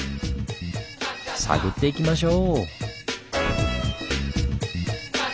探っていきましょう！